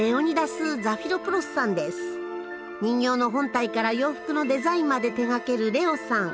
人形の本体から洋服のデザインまで手がけるレオさん。